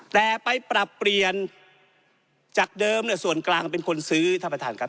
แต่ไปปรับเปลี่ยนจากเดิมส่วนกลางเป็นคนซื้อท่านประธานครับ